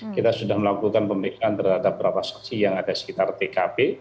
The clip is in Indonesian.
kita sudah melakukan pemeriksaan terhadap berapa saksi yang ada sekitar tkp